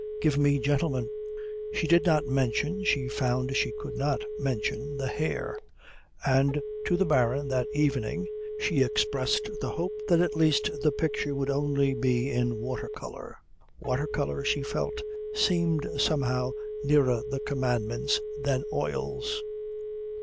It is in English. Give me gentlemen_." She did not mention, she found she could not mention, the hair; and to the Baron that evening she expressed the hope that at least the picture would only be in watercolour. Watercolour, she felt, seemed somehow nearer the Commandments than oils.